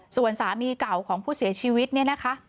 ส่วนสามีเก่าของผู้เสียชีวิตเนี่ยนะคะ